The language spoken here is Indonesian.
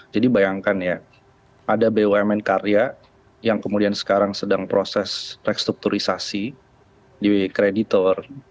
jadi bayangkan ya ada bumn karya yang kemudian sekarang sedang proses rekstrukturisasi di kreditor